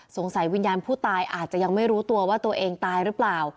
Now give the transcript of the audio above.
วิญญาณผู้ตายอาจจะยังไม่รู้ตัวว่าตัวเองตายหรือเปล่า